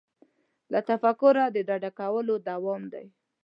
له تفکره د ډډه کولو دوام دی.